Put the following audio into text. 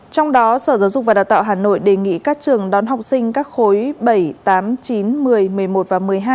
trong đó sở giáo dục và đào tạo hà nội đề nghị các trường đón học sinh các khối bảy tám chín một mươi một mươi một và một mươi hai